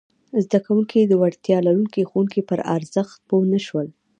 زده کوونکي د وړتیا لرونکي ښوونکي پر ارزښت پوه نه شول!